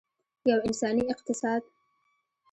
یو انساني اقتصاد.